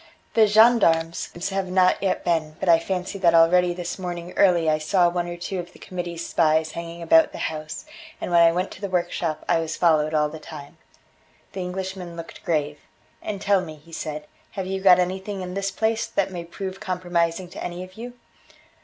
"The gendarmes have not yet been, but I fancy that already this morning early I saw one or two of the Committee's spies hanging about the house, and when I went to the workshop I was followed all the time." The Englishman looked grave: "And tell me," he said, "have you got anything in this place that may prove compromising to any of you?"